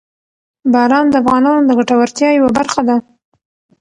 باران د افغانانو د ګټورتیا یوه برخه ده.